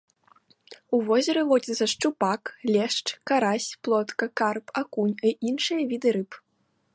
У возеры водзяцца шчупак, лешч, карась, плотка, карп, акунь і іншыя віды рыб.